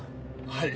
はい。